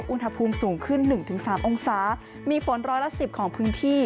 อุณหภูมิสูงขึ้นหนึ่งถึงสามองศามีฝนร้อยละสิบของพื้นที่